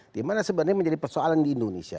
dimana sebenarnya menjadi persoalan di indonesia